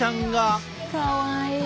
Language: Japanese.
かわいい。